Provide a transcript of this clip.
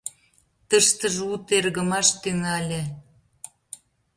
Тыштыже у тергымаш тӱҥале.